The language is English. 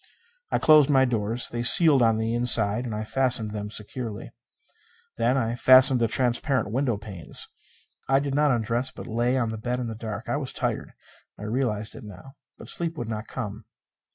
I closed my doors. They sealed on the inside, and I fastened them securely. Then I fastened the transparent window panes. I did not undress, but lay on the bed in the dark. I was tired; I realized it now. But sleep would not come.